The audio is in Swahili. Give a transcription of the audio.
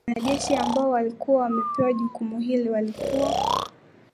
Wanajeshi ambao walikuwa wamepewa jukumu hili walikuwa